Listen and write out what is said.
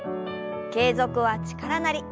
「継続は力なり」。